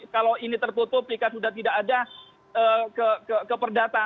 kalau ini terpotong pika sudah tidak ada ke perdata